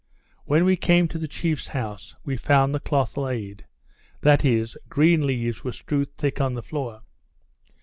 When we came to the chiefs house, we found the cloth laid; that is, green leaves were strewed thick on the floor.